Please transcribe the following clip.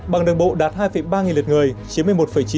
bàn đường bộ đạt hai ba lượt người chiếm một mươi một chín